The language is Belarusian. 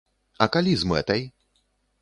А калі з мэтай?